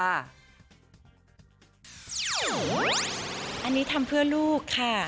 อันนี้ทำเพื่อลูกค่ะ